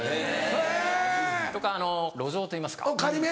へぇ。とか路上といいますか。仮免。